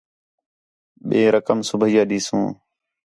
ٻئے رقم صُبیح ݙیسوں